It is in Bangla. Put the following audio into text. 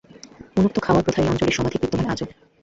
মনূক্ত খাওয়ার প্রথা এই অঞ্চলে সমধিক বিদ্যমান আজও।